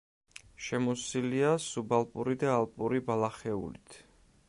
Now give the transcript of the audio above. შემოსილია სუბალპური და ალპური ბალახეულით.